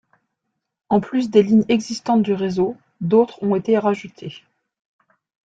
En plus des lignes existantes du réseau, d'autres ont été rajoutées.